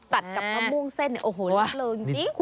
ตัดกับมะม่วงเส้นโอ้โหละลงจริง